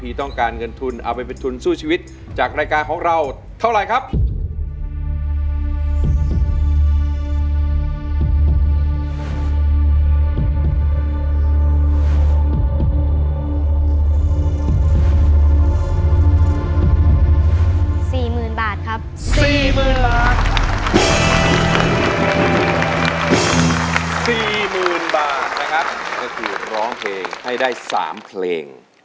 จะถือกร้องเพลงให้ได้๓เพลง